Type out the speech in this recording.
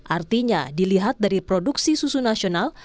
artinya dilihat dari produksi susu nasional